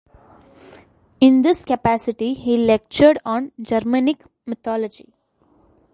In this capacity he lectured on Germanic mythology.